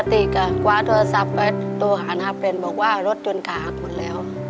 ยังมีสติกกว้าโทรศัพท์ไปตัวขาหน้าเป็นบอกว่ารถจนขาหาดหมดแล้ว